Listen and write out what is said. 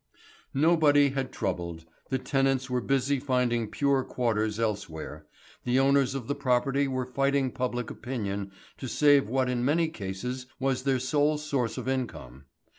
Nobody had troubled, the tenants were busy finding pure quarters elsewhere, the owners of the property were fighting public opinion to save what in many cases was their sole source of income.